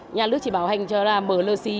nhà nước chỉ bảo hành cho là mở lơ si